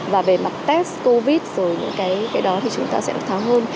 và về mặt test covid rồi những cái đó thì chúng ta sẽ được tháo hơn